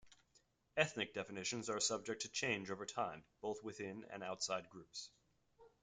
Ethnic definitions are subject to change over time, both within and outside groups.